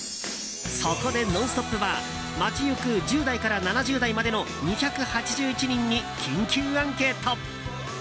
そこで「ノンストップ！」は街行く１０代から７０代までの２８１人に緊急アンケート。